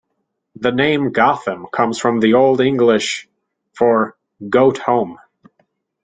The name Gotham comes from the Old English for "goat home".